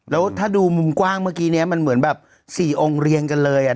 แล้วถ้าดูมุมกว้างเมื่อกี้นี้มันเหมือนแบบ๔องค์เรียงกันเลย